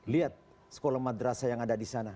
lihat sekolah madrasah yang ada di sana